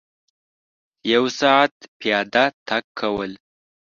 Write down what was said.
یو ساعت پلی تګ کول